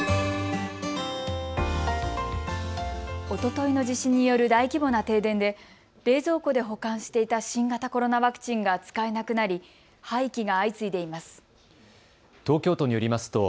おとといの地震による大規模な停電で冷蔵庫で保管していた新型コロナワクチンが使えなくなり廃棄が相次いでいます。